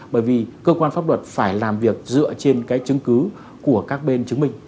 bởi vì cơ quan pháp luật phải làm việc dựa trên cái chứng cứ của các bên chứng minh